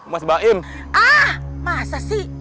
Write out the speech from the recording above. mas baim ah masa sih